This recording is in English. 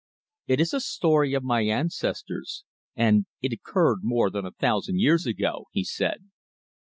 "It is a story of my ancestors, and it occurred more than a thousand years ago," he said.